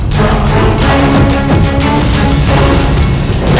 tapi tak pasti untukmu